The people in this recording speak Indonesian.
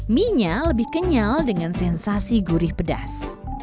mie nya lebih kenyal dengan sensasi gurih pedas